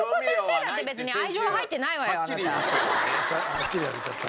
はっきり言われちゃった。